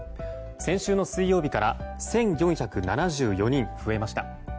先週の水曜日から１４７４人増えました。